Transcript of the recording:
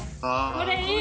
それいい。